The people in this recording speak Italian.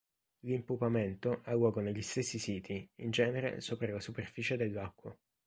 L'impupamento ha luogo negli stessi siti, in genere sopra la superficie dell'acqua.